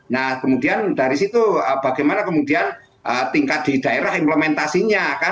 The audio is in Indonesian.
nah kemudian dari situ bagaimana kemudian tingkat di daerah implementasinya kan